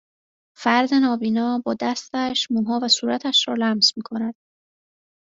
فرد نابینا با دستش موها و صورتش را لمس میکند